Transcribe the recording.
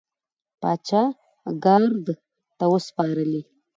پاچا ګارد ته وسپارلې.